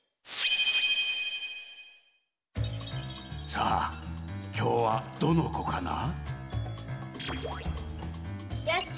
さあきょうはどのこかな？